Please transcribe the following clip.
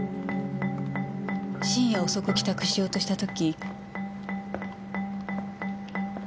深夜遅く帰宅しようとした時。